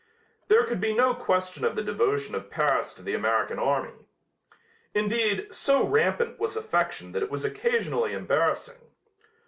There could be no question of the devotion of Paris to the American army. Indeed, so rampant was affection that it was occasionally embarrassing.